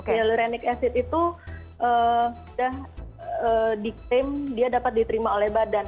eluronic acid itu sudah diklaim dia dapat diterima oleh badan